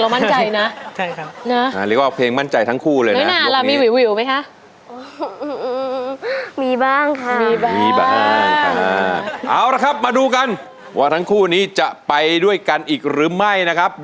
มันวิวเท่ามะเพลงเรามั่นใจนะ